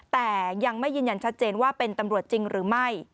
แต่ยังไม่ยืนยันชัดเจนว่าเป็นตำรวจจริงหรือไม่